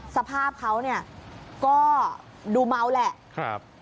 สภาพเขาเนี่ยก็ดูเมาแหละ